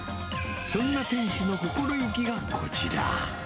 そんな店主の心意気がこちら。